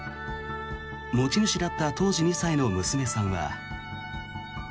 持ち主だった当時２歳の娘さんは。